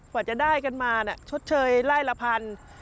กว่าจะได้กันมาชดเชยไล่ละพัน